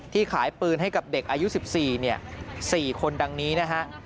ขายปืนให้กับเด็กอายุ๑๔๔คนดังนี้นะฮะ